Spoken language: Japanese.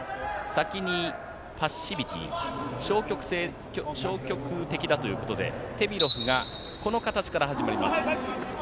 先にパッシビティー、消極的だということでテミロフがこの形から始まります。